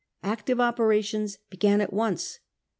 Active operations began at once.